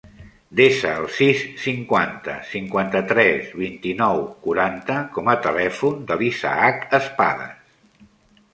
Desa el sis, cinquanta, cinquanta-tres, vint-i-nou, quaranta com a telèfon de l'Isaac Espadas.